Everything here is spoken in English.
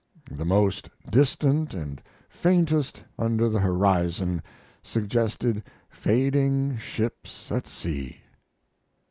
The most distant and faintest under the horizon suggested fading ships at sea.